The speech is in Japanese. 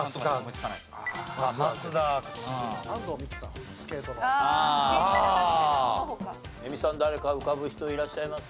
映美さん誰か浮かぶ人いらっしゃいます？